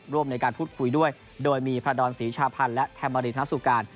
ร่วมในการพูดคุยด้วยโดยมีพระดอนศรีชาพันธ์และแคมมารินทสุการ